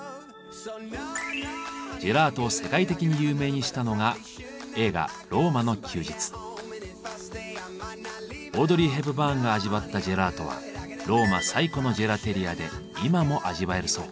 ジェラートを世界的に有名にしたのがオードリー・ヘプバーンが味わったジェラートはローマ最古のジェラテリアで今も味わえるそう。